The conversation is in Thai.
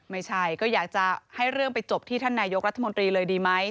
ไม่ใช่ก็อยากจะให้เรื่องไปจบที่ท่านนายกรัฐมนตรีเลยดีไหม